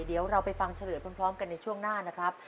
เดี๋ยวเราไปฟังเฉลยพร้อมกันในช่วงหน้านะครับ